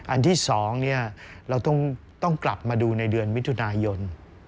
อันที่๒เราต้องกลับมาดูในเดือนมิถุนายน